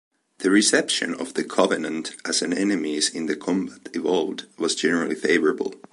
The reception of the Covenant as enemies in "Combat Evolved" was generally favorable.